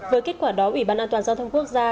với kết quả đó ủy ban an toàn giao thông quốc gia